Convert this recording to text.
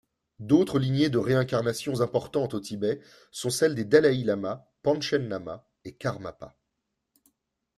D'autres lignées de réincarnation importantes au Tibet sont celles des dalaï-lamas, panchen-lamas et karmapas.